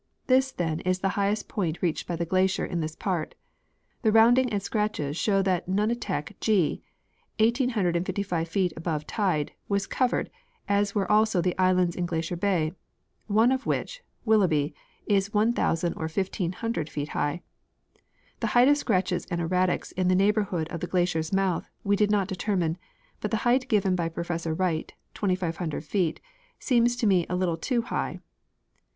This, then, is the highest point reached by the glacier in this part. The rounding and scratches show that nunatak G, 1,855 feet above tide, was covered, as were also the islands in Glacier bay, one of which (Willoughby) is 1,000 or 1,500 feet high. The height of scratches and erratics in the neighborhood of the glacier's mouth we did not determine, but the height given by Professor Wright (2,500 feet) seems to me a little too high.